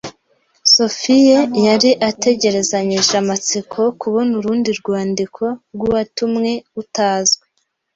Sophie yari ategerezanyije amatsiko kubona urundi rwandiko rw'uwatumwe utazwi.